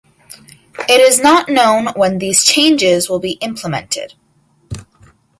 It is not known when these changes will be implemented.